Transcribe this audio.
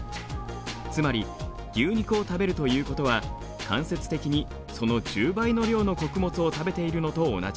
つまり牛肉を食べるということは間接的にその１０倍の量の穀物を食べているのと同じです。